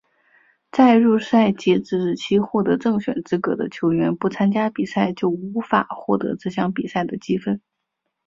在入赛截止日期获得正选资格的球员不参加比赛就无法获得这项比赛的积分。